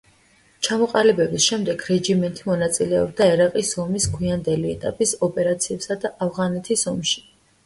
ჩამოყალიბების შემდეგ რეჯიმენთი მონაწილეობდა ერაყის ომის გვიანდელი ეტაპის ოპერაციებსა და ავღანეთის ომში.